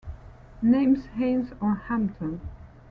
Name's Haines or Hampton.